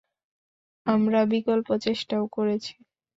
আমরা বিকল্প চেষ্টাও করেছি।